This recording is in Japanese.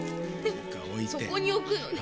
そこにおくのね。